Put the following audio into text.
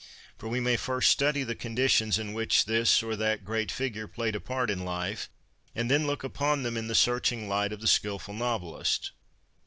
For we may first study the conditions in which this or that great figure played a part in life, and then look upon them in the searching light of the skilful novelist.